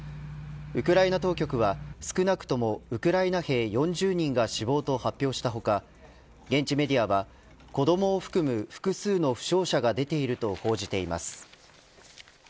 ウクライナ当局は少なくともウクライナ兵４０人が死亡と発表した他現地メディアは、子どもを含む複数の負傷者が出ていると報じています。